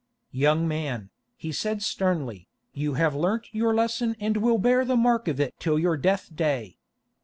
"Young man," he said sternly, "you have learnt your lesson and will bear the mark of it till your death day.